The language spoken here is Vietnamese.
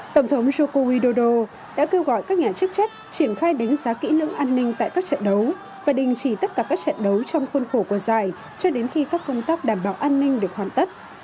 tổng thống joko widodo đã kêu gọi các nhà chức trách triển khai đánh giá kỹ lưỡng an ninh tại các trận đấu và đình chỉ tất cả các trận đấu trong khuôn khổ của giải cho đến khi các công tác đảm bảo an ninh được hoàn tất